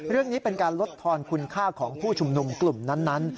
เรื่องนี้เป็นการลดทอนคุณค่าของผู้ชุมนุมกลุ่มนั้น